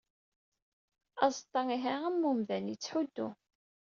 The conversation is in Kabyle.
Aẓeṭṭa ihi am umdan, yettḥuddu.